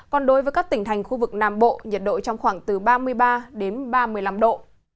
còn đối với các tỉnh thành khu vực nam bộ nhiệt độ trong khoảng từ ba mươi ba đến ba mươi năm độ